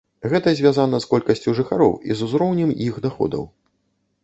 Гэта звязана і з колькасцю жыхароў, і з узроўнем іх даходаў.